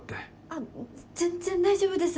あっ全然大丈夫です。